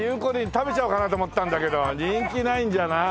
食べちゃおうかなと思ったんだけど人気ないんじゃなあ。